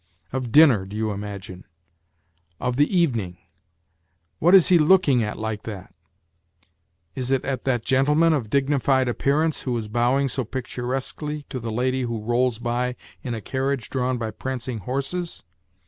... Of dinner, do you imagine ? Of the evening ? What is he looking at like that ? Is it at that gentleman of dignified appearance who is bowing so picturesquely to the lady who rolls by in a carriage drawn by prancing horses